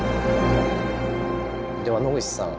では野口さん。